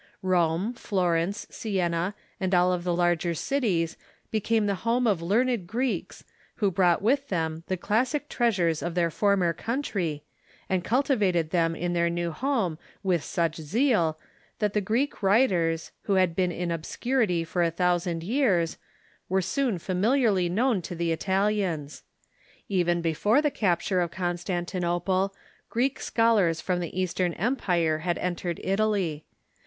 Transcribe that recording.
Rome, Florence, Siena, and all of the larger cities became the home of learned Greeks, who brought with them the classic treasures of their former country, and cultivated them in their new home with such zeal that the Greek writers, who had been in obscurity for a thousand years, Avere soon familiarly known to the Ital ians. Even before the capture of Constantinople, Greek schol ars from the Eastern Empire had entered Italy.